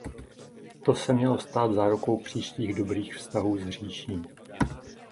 To se mělo stát zárukou příštích dobrých vztahů s říší.